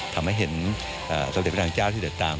ทำให้เห็นสมเด็จพระนางเจ้าที่เดินตาม